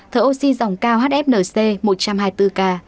thở oxy dòng cao hfn c một trăm hai mươi bốn ca